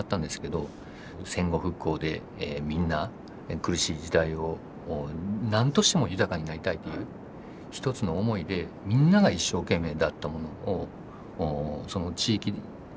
戦後復興でみんな苦しい時代をもうなんとしても豊かになりたいという一つの思いでみんなが一生懸命だったものを地域としてちょっとかぶってしまった。